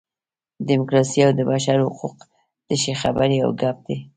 ډیموکراسي او د بشر حقوق تشې خبرې او ګپ دي.